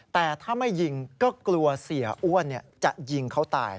แต่ถ้าไม่ยิงก็กลัวเสียอ้วนจะยิงเขาตาย